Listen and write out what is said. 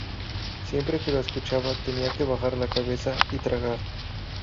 Siempre que la escuchaba, tenía que bajar la cabeza y tragar.